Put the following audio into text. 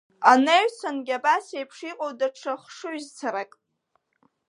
Анаҩсангьы абас еиԥш иҟоу даҽа хшыҩзцарак…